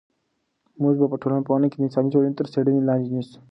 موږ په ټولنپوهنه کې انساني ټولنې تر څېړنې لاندې نیسو.